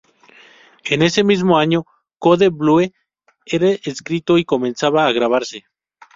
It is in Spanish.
En ese mismo año, "Code Blue" era escrito y comenzaba a grabarse.